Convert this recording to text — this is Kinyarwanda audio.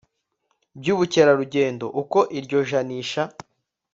by ubukerarugendo Uko iryo janisha